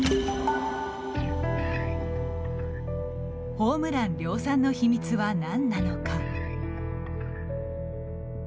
ホームラン量産の秘密は何なのか。